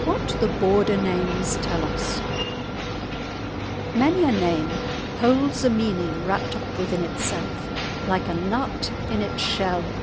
—WHAT THE BORDER NAMES TELL US Many a name holds a meaning wrapt up within itself like a nut in its shell.